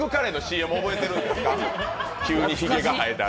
急にひげが生えて。